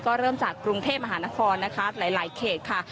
ก็เริ่มจากกรุงเทพมหานครนะคะหลายเขตค่ะ